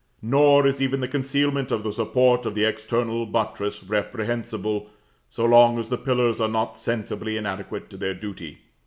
Nor is even the concealment of the support of the external buttress reprehensible, so long as the pillars are not sensibly inadequate to their duty.